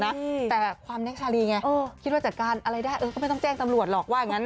แต่ความแน็กชะลีไงคิดว่าจัดการอะไรได้ก็ไม่ต้องแจ้งตำรวจหรอก